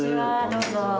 どうぞ。